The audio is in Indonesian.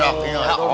buah ngedapin om